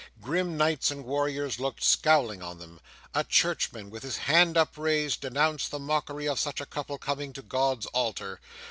Grim knights and warriors looked scowling on them. A churchman, with his hand upraised, denounced the mockery of such a couple coming to God's altar.